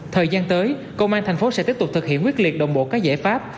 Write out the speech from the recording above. thời gian tới công an thành phố sẽ tiếp tục thực hiện quyết liệt đồng bộ các giải pháp